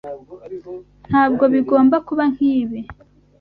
Ntabwo bigomba kuba nkibi.